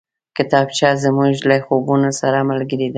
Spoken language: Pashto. کتابچه زموږ له خوبونو سره ملګرې ده